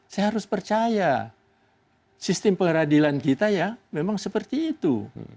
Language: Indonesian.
saya harus percaya sistem pengadilan kita memang seperti itu